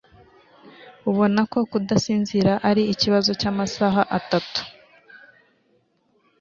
abona ko kudasinzira ari ikibazo cy'amasaha atatu